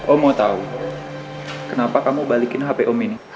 om mau tau kenapa kamu balikin hp om ini